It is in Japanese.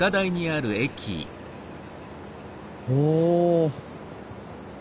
おお。